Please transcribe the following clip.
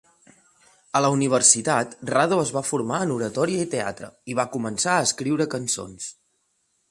A la universitat, Rado es va formar en oratòria i teatre, i va començar a escriure cançons.